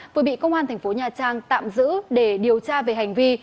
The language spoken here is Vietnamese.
vừa bị công an thành phố nha trang tạm giữ để điều tra về hành vi